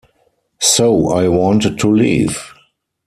So I wanted to leave.